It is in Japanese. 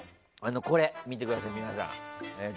これ見てください、皆さん。